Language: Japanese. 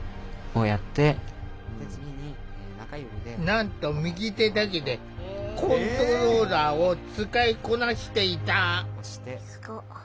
なんと右手だけでコントローラーを使いこなしていた。